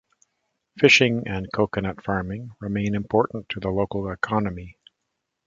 Fishing and coconut farming remain important to the local economy.